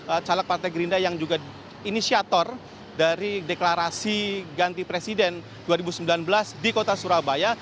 ada caleg partai gerindra yang juga inisiator dari deklarasi ganti presiden dua ribu sembilan belas di kota surabaya